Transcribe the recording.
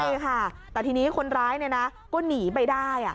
ใช่ค่ะแต่ทีนี้คนร้ายก็หนีไปได้